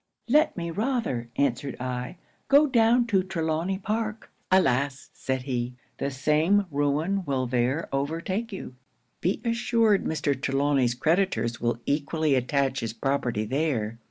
'"Let me rather," answered I, "go down to Trelawny Park." '"Alas!" said he, "the same ruin will there overtake you. Be assured Mr. Trelawny's creditors will equally attach his property there.